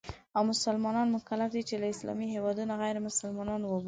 او مسلمانان مکلف دي چې له اسلامي هېوادونو غیرمسلمانان وباسي.